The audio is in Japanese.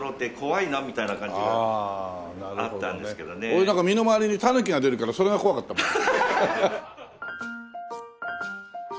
俺なんか身の周りにタヌキが出るからそれが怖かったもん。